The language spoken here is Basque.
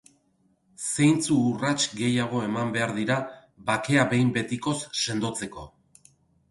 Zeintzu urrats gehiago eman behar dira bakea behin betikoz sendotzeko?